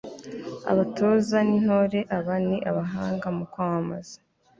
abatoza n'intore aba ni abahanga mu kwamamaza